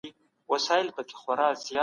شیکسپیر یو ډېر نامتو ډرامه لیکونکی دی.